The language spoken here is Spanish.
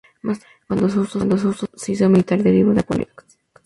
Más tarde, cuando su uso se hizo militar, derivó en pole-axe.